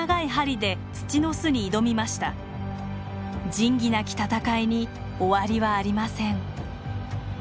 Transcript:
仁義なき戦いに終わりはありません。